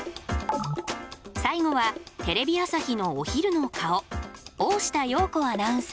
最後はテレビ朝日のお昼の顔大下容子アナウンサー。